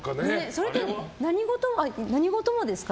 それって何事もですか？